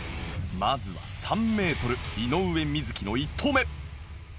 まずは３メートル井上瑞稀の１投目！